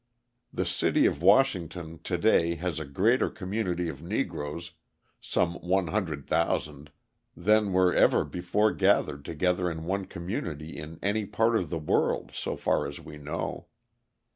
The city of Washington to day has a greater community of Negroes (some 100,000) than were ever before gathered together in one community in any part of the world, so far as we know.